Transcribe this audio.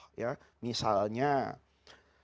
misalnya saya terjerembab dan terjerumus ke jurang maksiat